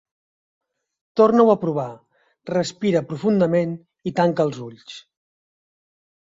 Torna-ho a provar: respira profundament i tanca els ulls.